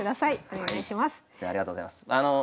ありがとうございます。